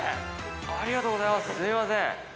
ありがとうございますすいません。